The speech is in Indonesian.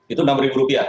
itu enam ribu rupiah